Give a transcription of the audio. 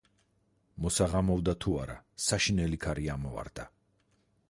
მოსაღამოვდა თუ არა საშინელი ქარი ამოვარდა.